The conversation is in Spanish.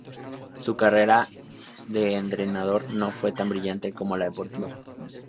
Su carrera de entrenador no fue tan brillante como la deportiva.